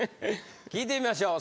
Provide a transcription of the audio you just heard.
聞いてみましょう。